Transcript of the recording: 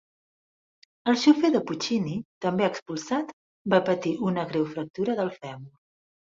El xofer de Puccini, també expulsat, va patir una greu fractura del fèmur.